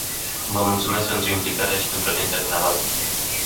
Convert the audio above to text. Vă mulțumesc pentru implicarea și pentru atenția dvs.